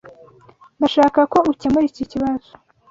Ndashaka ko ukemura iki kibazo.